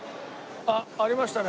あっありましたね。